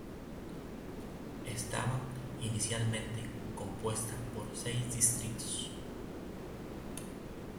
Estaba inicialmente compuesta por seis distritos.